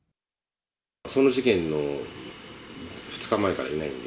その事件の２日前からいないので。